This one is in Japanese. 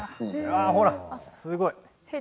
ああほらすごい。